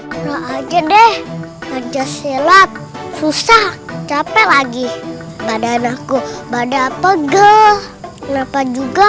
pulang aja deh belajar silap susah capek lagi badan aku badan pegel kenapa juga